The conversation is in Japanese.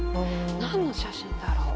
何の写真だろう。